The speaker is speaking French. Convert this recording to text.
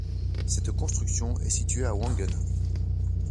Cette construction est situé à Wangen.